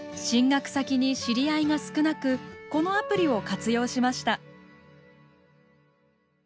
進学先に知り合いが少なくこのアプリを活用しました。